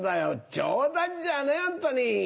冗談じゃねえホントに。